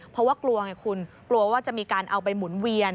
เพราะว่ากลัวไงคุณกลัวว่าจะมีการเอาไปหมุนเวียน